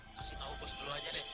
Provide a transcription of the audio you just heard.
kasih tau bos dulu aja deh